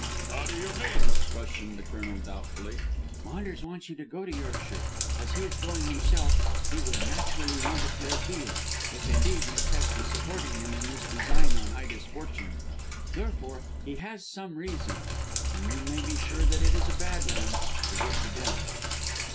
"How do you mean?" questioned the Colonel doubtfully. "Maunders wants you to go to Yorkshire. As he is going himself he would naturally want a clear field, if indeed Miss Hest is supporting him in this design on Ida's fortune. Therefore he has some reason and you may be sure that it is a bad one to get you down."